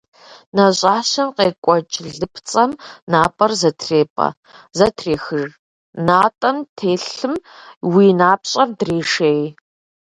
Нэщӏащэм къекӏуэкӏ лыпцӏэм напӏэр зэтрепӏэ, зэтрехыж, натӏэм телъым уи напщӏэр дрешей.